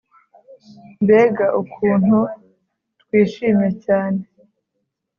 Mbega ukuntu twishimye cyane